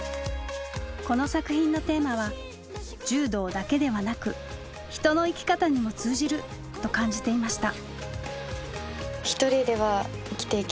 この作品のテーマは柔道だけではなく人の生き方にも通じると感じていました。